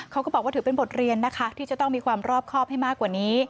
เขาก็บอกว่าถือเป็นบทเรียนนะคะที่จะต้องมีความรอบครอบให้มากกว่านี้